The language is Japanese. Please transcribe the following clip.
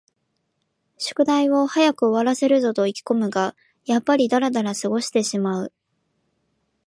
宿題を早く終わらせるぞと意気ごむが、やっぱりだらだら過ごしてしまう